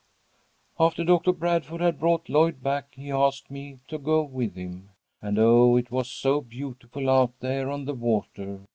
"After Doctor Bradford had brought Lloyd back he asked me to go with him, and oh, it was so beautiful out there on the water.